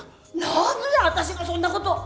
何で私がそんな事を！